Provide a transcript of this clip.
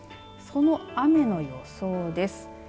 その雨の予想です。